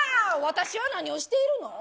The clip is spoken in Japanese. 何をしているの？